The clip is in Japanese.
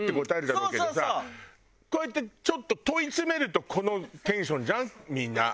こうやってちょっと問い詰めるとこのテンションじゃん？